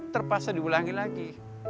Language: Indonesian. terpaksa diulangi lagi